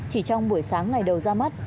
chỉ trong buổi sáng ngày đầu ra mắt